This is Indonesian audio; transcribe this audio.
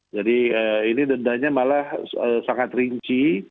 jadi ini dendanya malah sangat rinci